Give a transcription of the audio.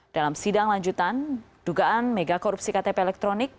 dalam sidang lanjutan dugaan mega korupsi ktp elektronik